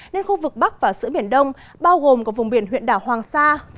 nên khu vực bắc và giữa biển đông bao gồm có vùng biển huyện đảo hoàng sa